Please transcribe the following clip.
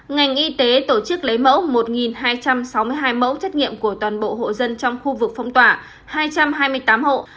ngành y tế tổ chức lấy mẫu một hai trăm sáu mươi hai mẫu xét nghiệm của toàn bộ hộ dân trong khu vực phong tỏa hai trăm hai mươi tám hộ